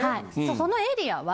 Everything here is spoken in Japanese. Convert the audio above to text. そのエリアは。